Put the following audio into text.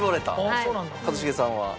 一茂さんは？